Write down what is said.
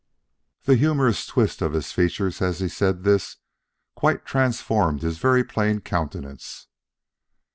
The humorous twist of his features as he said this quite transformed his very plain countenance.